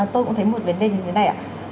tôi cũng thấy một vấn đề như thế này ạ